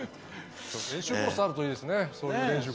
練習コースがあるといいですね。